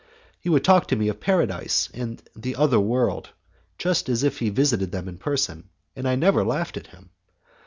He would talk to me of paradise and the other world, just as if he had visited them in person, and I never laughed at him!